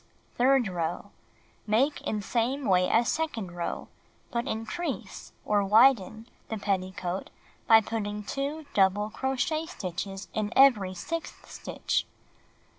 Third row : Make in same way as second row, but increase, or widen, the petticoat by putting 2 double crochet stitches in every sixth stitch.